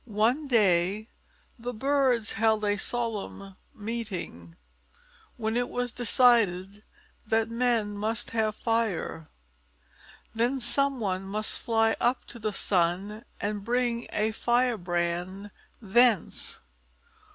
One day the birds held a solemn meeting, when it was decided that men must have fire. Then some one must fly up to the sun and bring a firebrand thence.